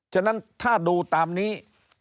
ฉะนั้นถ้าดูตามนี้